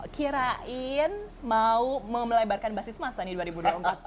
kirain mau melebarkan basis masa nih dua ribu dua puluh empat pak